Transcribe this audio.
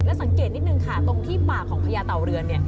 แล้วสังเกตนิดนึงค่ะตรงที่ปากของพญาเต่าเรือนเนี่ย